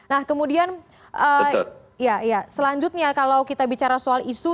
nah kemudian ya selanjutnya kalau kita bicara soal isu